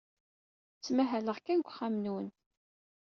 Ttmahaleɣ kan deg uxxam-nwen.